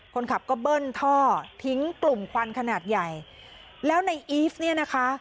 คนขับก็เบิ้ลท่อทิ้งกลุ่มควันขนาดใหญ่แล้วในอีฟเนี่ยนะคะ